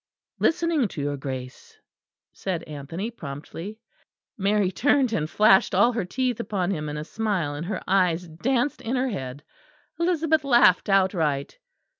"Listening to your Grace," said Anthony, promptly. Mary turned and flashed all her teeth upon him in a smile, and her eyes danced in her head. Elizabeth laughed outright.